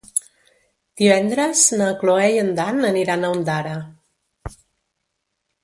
Divendres na Cloè i en Dan aniran a Ondara.